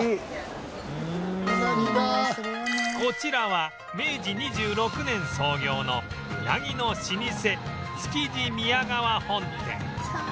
こちらは明治２６年創業のうなぎの老舗つきじ宮川本廛